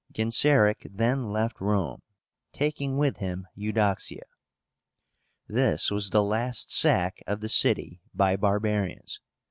Genseric then left Rome, taking with him Eudoxia. This was the last sack of the city by barbarians.